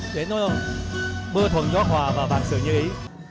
để nó bưa thuần gió hòa và bạc sự như ý